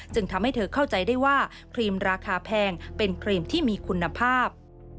ทำให้เธอเข้าใจได้ว่าครีมราคาแพงเป็นครีมที่มีคุณภาพ